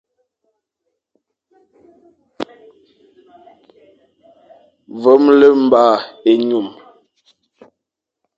Vemle mba ényum.